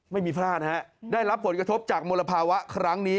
ไม่มีพลาดฮะได้รับผลกระทบจากมลภาวะครั้งนี้